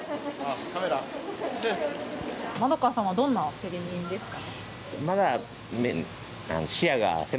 まどかさんはどんな競り人ですか？